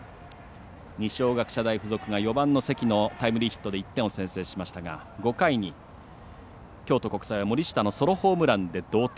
二松学舎大付属が４番の関のタイムリーヒットで１点を先制しましたが５回に京都国際、森下のソロホームランで同点。